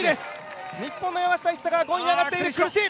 日本の山下一貴５位に上がっている